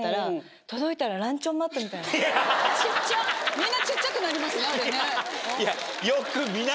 みんな小っちゃくなりますねあれね。